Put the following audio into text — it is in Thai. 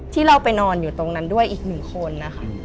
ที่เราไปนอนอยู่ตรงนั้นด้วยอีกหนึ่งคนนะคะ